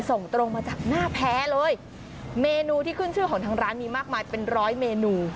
ส่งตรงมาจากหน้าแพ้เลยเมนูที่ขึ้นชื่อของทางร้านมีมากมายเป็นร้อยเมนู